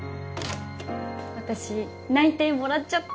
私内定もらっちゃった。